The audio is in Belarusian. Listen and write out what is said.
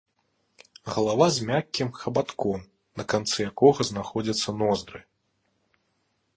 Галава з мяккім хабатком, на канцы якога знаходзяцца ноздры.